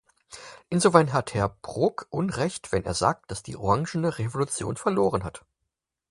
Insofern hat Herr Brok Unrecht, wenn er sagt, dass die Orangene Revolution verloren hat.